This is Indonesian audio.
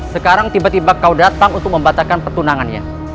sekarang tiba tiba kau datang untuk membatalkan petunangannya